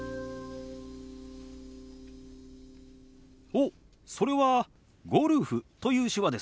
おっそれは「ゴルフ」という手話ですね。